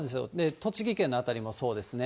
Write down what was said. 栃木県の辺りもそうですね。